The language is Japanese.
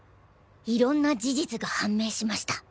いろんな事実が判明しました。